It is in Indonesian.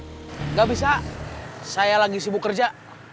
tidak bisa saya lagi sibuk kerja